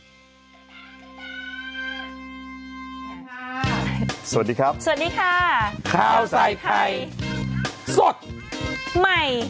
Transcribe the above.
ใหม่